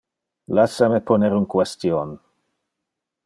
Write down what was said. Lassa me poner un question.